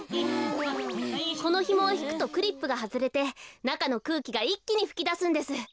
このひもをひくとクリップがはずれてなかのくうきがいっきにふきだすんです。